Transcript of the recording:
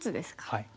はい。